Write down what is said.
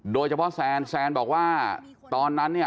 โดยเฉพาะแซนแซนบอกว่าตอนนั้นเนี่ย